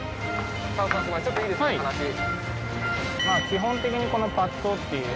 基本的にこのパットっていう。